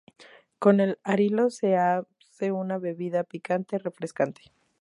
Con el arilo se hace una bebida picante refrescante.